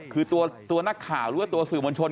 คือตัวนักข่าวหรือว่าตัวสื่อมวลชน